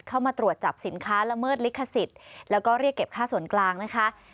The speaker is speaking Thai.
เข้ามาตรวจจับสินค้าละเมิดลิขสิทธิ์แล้วก็เรียกเก็บค่าส่วนกลางนะคะ